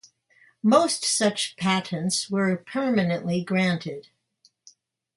Most such patents were permanently granted.